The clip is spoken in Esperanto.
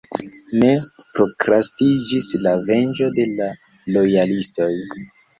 Ne prokrastiĝis la venĝo de la lojalistoj.